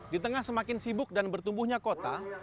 di tengah semakin sibuk dan bertumbuhnya kota